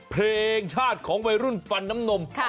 เพลงชาติของวัยรุ่นฟันน้ำนม